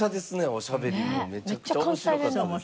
おしゃべりもめちゃくちゃ面白かったです。